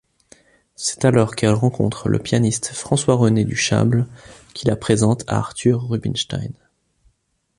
C'est alors qu'elle rencontre le pianiste François-René Duchâble qui la présente à Arthur Rubinstein.